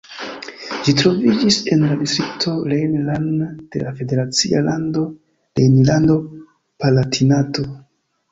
Ĝi troviĝis en la distrikto Rhein-Lahn de la federacia lando Rejnlando-Palatinato.